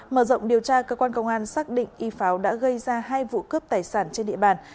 mở rộng điều tra cơ quan công an xác định y pháo đã gây ra hai vụ cướp tài sản trên địa bàn